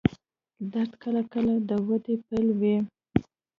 درد کله کله د وده پیل وي.